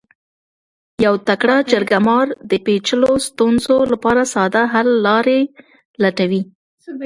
یو تکړه جرګه مار د پیچلو ستونزو لپاره ساده حل لارې لټوي.